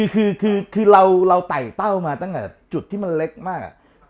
คือเราไต่เต้ามาตั้งแต่จุดที่มันเล็กมาก